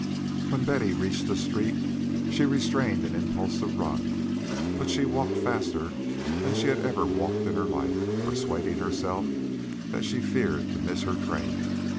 When Betty reached the street, she restrained an impulse to run, but she walked faster than she had ever walked in her life, persuading herself that she feared to miss her train.